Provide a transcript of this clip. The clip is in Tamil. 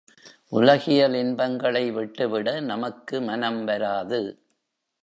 உலகியலின்பங்களை விட்டுவிட நமக்கு மனம் வராது.